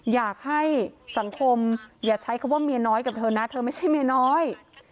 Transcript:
อยากให้สังคมอย่าใช้คำว่าเมียน้อยกับเธอนะเธอไม่ใช่เมียน้อย